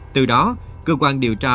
từ đó cơ quan điều tra